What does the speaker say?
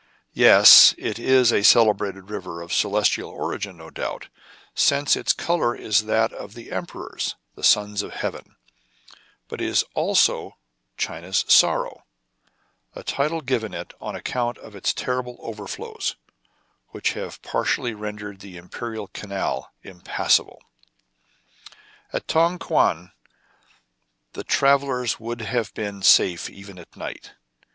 Yes, it is a celebrated river, of celes tial origin no doubt, since its color is that of the emperors, the Sons of Heaven ; but it is also " China's Sorrow," a title given it on account of its terrible overflows, which have partially rendered the Imperial Canal impassable. At Tong Kouan the travellers would have been safe even at night.